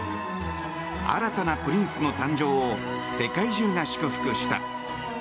新たなプリンスの誕生を世界中が祝福した。